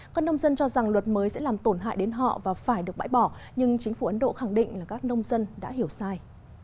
các nông dân cho rằng luật mới sẽ làm tổn hại đến họ và phải được bãi bỏ nhưng chính phủ ấn độ khẳng định là các nông dân đã hiểu sai